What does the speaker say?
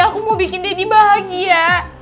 aku mau bikin denny bahagia